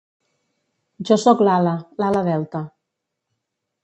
Jo sóc l'ala, l'ala Delta.